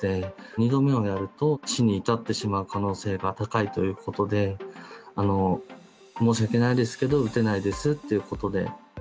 ２度目をやると死に至ってしまう可能性が高いということで、申し訳ないですけど、打てないですっていうことで。